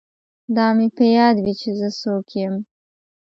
دا مې په یاد وي چې زه څوک یم